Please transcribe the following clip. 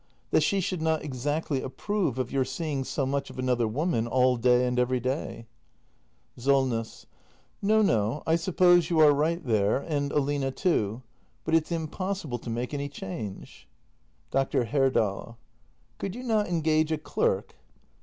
That she should not exactly approve of your seeing so much of another woman, all day and every day. act i] THE MASTER BUILDER 271 SOLNESS. No, no, I suppose you are right there — and Aline too. But it's impossible to make any change. Dr. Herdal. Could you not engage a clerk